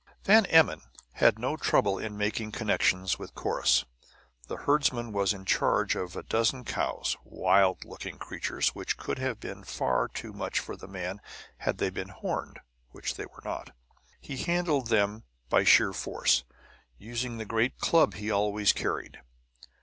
Van Emmon had no trouble in making connections with Corrus. The herdsman was in charge of a dozen cows, wild looking creatures which would have been far too much for the man had they been horned, which they were not. He handled them by sheer force, using the great club he always carried.